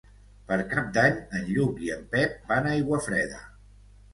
Per Cap d'Any en Lluc i en Pep van a Aiguafreda.